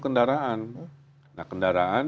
kendaraan nah kendaraan